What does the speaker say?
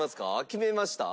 決めました？